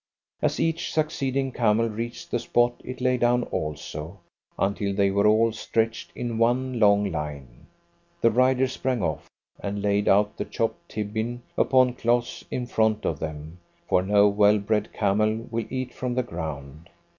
As each succeeding camel reached the spot it lay down also, until they were all stretched in one long line. The riders sprang off, and laid out the chopped tibbin upon cloths in front of them, for no well bred camel will eat from the ground.